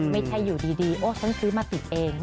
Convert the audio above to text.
ไม่ใช่อยู่ดีโอ้ฉันซื้อมาติดเอง